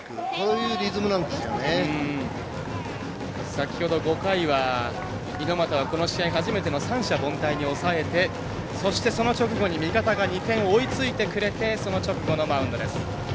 先ほど５回は猪俣はこの試合、初めての三者凡退に抑えてそして、その直後に味方が２点追いついてくれてその直後のマウンドです。